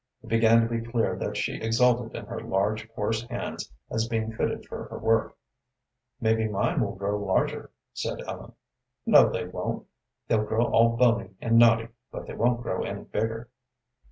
It began to be clear that she exulted in her large, coarse hands as being fitted for her work. "Maybe mine will grow larger," said Ellen. "No, they won't. They'll grow all bony and knotty, but they won't grow any bigger."